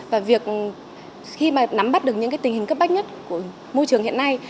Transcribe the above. và việc khi mà nắm bắt được những cái tình hình cấp bách nhất của môi trường hiện nay